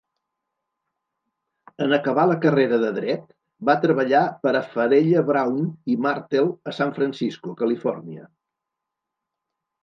En acabar la carrera de dret, va treballar per a Farella Braun i Martel a San Francisco, Califòrnia.